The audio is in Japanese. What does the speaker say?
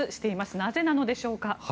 なぜなのでしょうか。